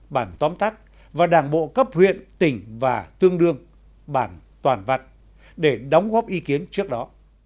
bản tóm tắt và đảng bộ cấp huyện tỉnh và tương đương bản toàn vặt để đóng góp ý kiến trước đó